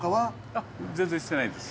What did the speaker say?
あっ全然してないです